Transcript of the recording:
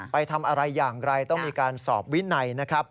ไปทำอะไรอย่างไรต้องมีการสอบวินัยนะครับ